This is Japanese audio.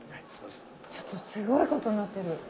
ちょっとすごいことになってる。